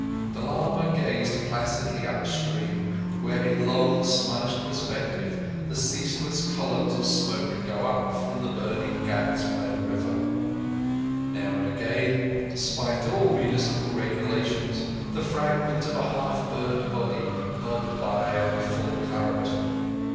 The lama gazed placidly up stream, where in long, smudged perspective the ceaseless columns of smoke go up from the burning ghats by the river. Now and again, despite all municipal regulations, the fragment of a half burned body bobbed by on the full current.